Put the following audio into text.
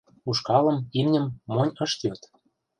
Ушкалым, имньым монь ышт йод.